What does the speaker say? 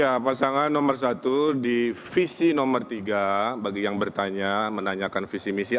ya pasangan nomor satu di visi nomor tiga bagi yang bertanya menanyakan visi misi